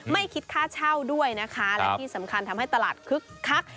ไม่คิดค่าเช่าด้วยนะคะและที่สำคัญทำให้ตลาดคึกคัก